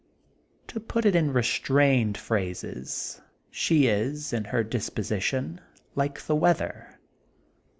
To ^ut it in restrained phrases she is, in her disposition, like the weather.